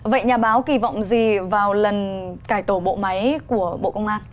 vậy nhà báo kỳ vọng gì vào lần cải tổ bộ máy của bộ công an